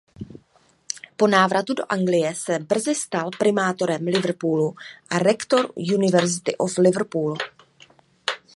Po návratu do Anglie se brzy stal primátorem Liverpoolu a rektor University of Liverpool.